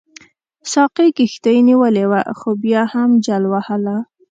ساقي کښتۍ نیولې وه خو بیا هم جل وهله.